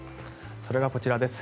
それがこちらです。